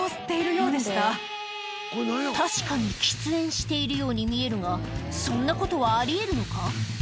確かに喫煙しているように見えるがそんなことはあり得るのか？